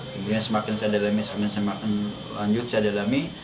kemudian semakin saya dalami semakin saya lanjut saya dalami